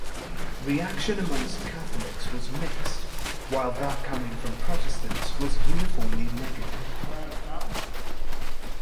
Reaction amongst Catholics was mixed, while that coming from Protestants was uniformly negative.